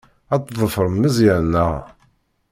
Ad tḍefrem Meẓyan, naɣ?